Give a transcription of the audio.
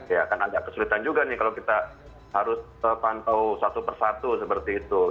ya akan agak kesulitan juga nih kalau kita harus pantau satu persatu seperti itu